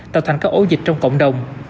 tạo thành các ổ dịch trong cộng đồng